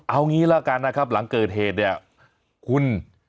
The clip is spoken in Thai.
เอางี้ละกันนะครับหลังเกิดเหตุเนี่ยคุณ